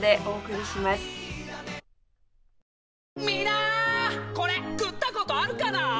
みんなこれ食ったことあるかな？